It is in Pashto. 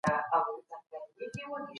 نوي میتودونه به په کار واچول سي.